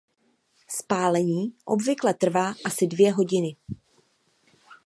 Spálení obvykle trvá asi dvě hodiny.